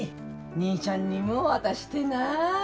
兄ちゃんにも渡してな。